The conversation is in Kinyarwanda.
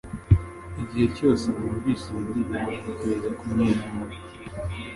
Igihe cyose numvise iyi ndirimbo ntekereza kumwenyura